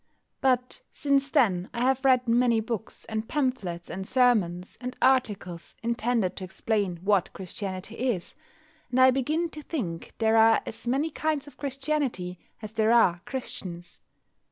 But since then I have read many books, and pamphlets, and sermons, and articles intended to explain what Christianity is, and I begin to think there are as many kinds of Christianity as there are Christians.